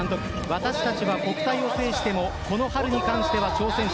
私たちは国体を制してもこの春に関しては挑戦者。